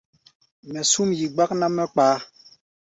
Mɛ súm yi, gbák ná mɛ́ kpaá.